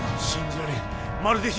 信じられん。